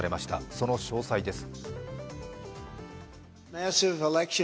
その詳細です。